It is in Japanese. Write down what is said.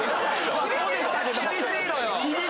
厳しいのよ！